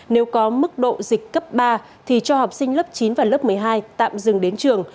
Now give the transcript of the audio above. nếu có mức độ dịch cấp ba thì cho học sinh lớp chín và lớp một mươi hai tạm dừng đến trường